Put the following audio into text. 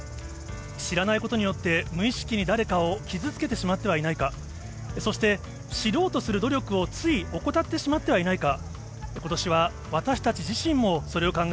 知らないことによって、無意識に誰かを傷つけてしまってはいないか、そして、知ろうとする努力をつい怠ってしまってはいないか。